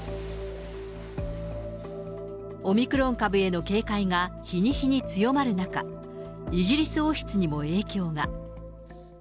オミクロン株への警戒が日に日に強まる中、イギリス王室にも影響が。